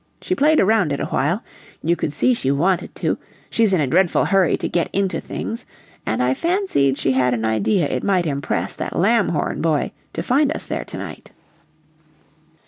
She played around it awhile; you could see she wanted to she's in a dreadful hurry to get into things and I fancied she had an idea it might impress that Lamhorn boy to find us there to night.